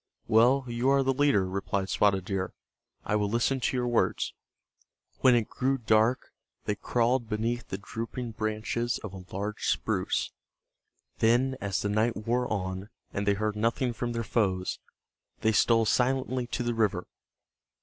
"Well, you are the leader," replied Spotted Deer. "I will listen to your words." When it grew dark they crawled beneath the drooping branches of a large spruce. Then as the night wore on, and they heard nothing from their foes, they stole silently to the river.